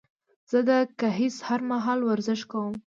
زه د ګهيځ هر مهال ورزش کوم